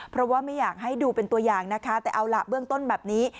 เพราะว่าไม่อยากให้ดูเป็นตัวอย่างนะคะแต่เอาล่ะเบื้องต้นแบบนี้